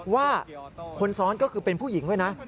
ว่าคนซ้อนก็คือเป็นผู้หญิงด้วยนะ